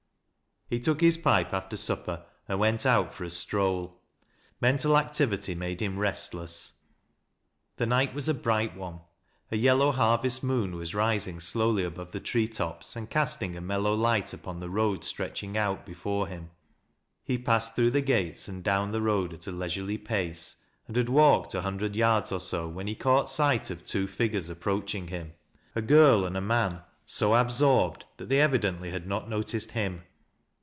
He took his pipe after supper and went out for a stroll Mental activity made him restless. The night was a bright one. A yellow harvest moon was rising slowly above the tree tops, and casting a mellow light upon tho road stretching out before him. He passed through the gates and down the road at a leisurely pace, and had walked a hundred yards or so, when he caught sight of two iigures approaching him — a girl and a man, so absorbed that they evidently had not noticed him.